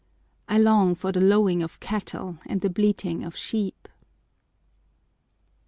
I long for the lowing of cattle and the bleating of sheep.